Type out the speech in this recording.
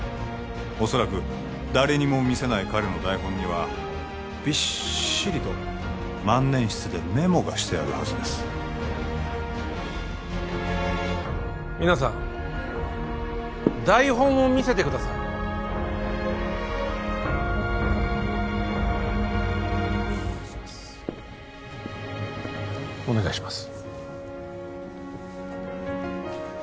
恐らく誰にも見せない彼の台本にはびっしりと万年筆でメモがしてあるはずです皆さん台本を見せてくださいお願いします